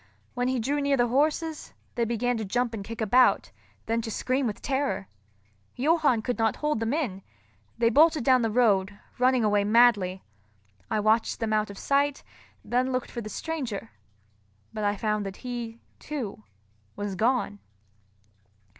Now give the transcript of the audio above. When he drew near the horses, they began to jump and kick about, then to scream with terror. Johann could not hold them in; they bolted down the road, running away madly. I watched them out of sight, then looked for the stranger; but I found that he, too, was gone.